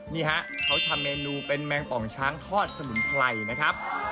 นี่ฮะเขาทำเมนูเป็นแมงป่องช้างทอดสมุนไพรนะครับ